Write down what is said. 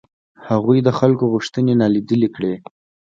هغوی د خلکو غوښتنې نالیدلې کړې.